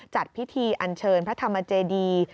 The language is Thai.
จัดพิธีอันเชิญพระธรรมเจดี